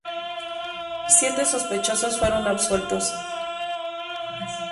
Siete sospechosos fueron absueltos.